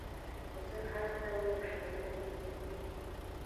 که زه هلته وای ژغورلي مي